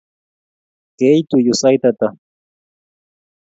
Keitu yu sait ata?